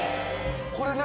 これ何？